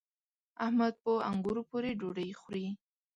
احمد په انګورو پورې ډوډۍ خوري.